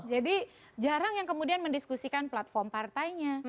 jadi jarang yang kemudian mendiskusikan platform partainya